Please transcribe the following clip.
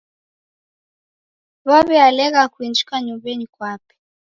Waw'ialegha kuinjika nyumbenyi kwape.